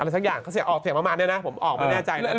อะไรสักอย่างเค้าเสียออกเสียงประมาณนี้นะ